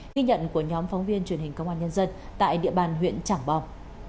ghi nhận của nhóm phóng viên truyền hình công an nhân dân tại địa bàn huyện trảng bom